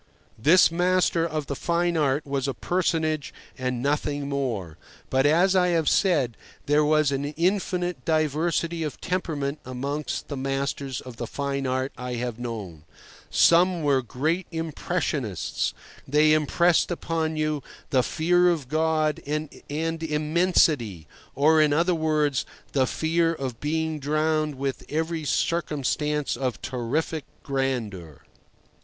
This master of the fine art was a personage and nothing more; but, as I have said, there was an infinite diversity of temperament amongst the masters of the fine art I have known. Some were great impressionists. They impressed upon you the fear of God and Immensity—or, in other words, the fear of being drowned with every circumstance of terrific grandeur.